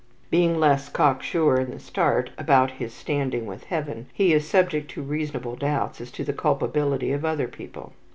Being less cock sure in the start about his standing with Heaven, he is subject to reasonable doubts as to the culpability of other people.